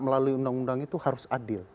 melalui undang undang itu harus adil